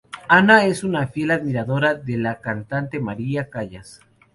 Ana es una fiel admiradora de la cantante María Callas.